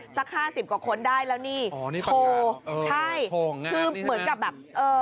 สักห้าสิบกว่าคนได้แล้วนี่อ๋อนี่โทรใช่คือเหมือนกับแบบเอ่อ